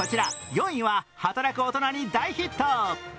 ４位は働く大人に大ヒット。